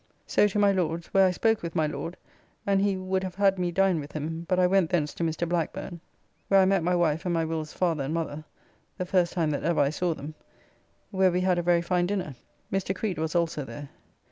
So to my Lord's, where I spoke with my Lord, and he would have had me dine with him, but I went thence to Mr. Blackburne, where I met my wife and my Will's father and mother (the first time that ever I saw them), where we had a very fine dinner. Mr. Creed was also there.